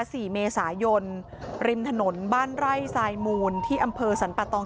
สี่เมษายนริมถนนบ้านไร่ทรายมูลที่อำเภอสรรปะตอง